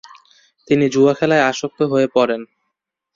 তিনি জুয়া খেলায় আসক্ত হয়ে পড়েন।